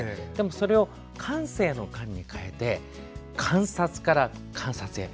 それを感性の感に変えて観察から感察へ。